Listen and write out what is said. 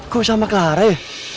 kok bisa sama clara ya